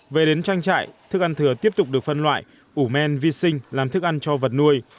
về đến trang trại thức ăn thừa tiếp tục được phân loại ủ men vi sinh làm thức ăn cho vật nuôi